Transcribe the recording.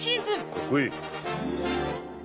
かっこいい！